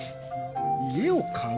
家を買う？